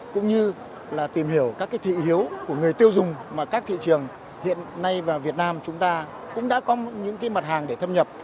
cũng như là tìm hiểu các thị hiếu của người tiêu dùng mà các thị trường hiện nay và việt nam chúng ta cũng đã có những mặt hàng để thâm nhập